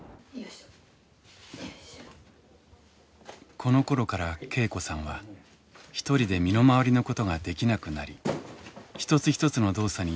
このころから恵子さんは一人で身の回りのことができなくなり一つ一つの動作に時間がかかるようになっていました。